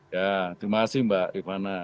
ya terima kasih mbak rifana